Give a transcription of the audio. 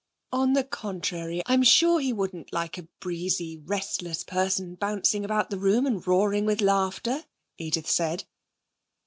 'On the contrary; I'm sure he wouldn't like a breezy, restless person bouncing about the room and roaring with laughter,' Edith said.